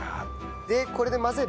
でこれで混ぜる？